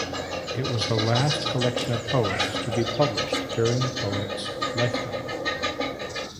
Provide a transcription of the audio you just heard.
It was the last collection of poems to be published during the poet's lifetime.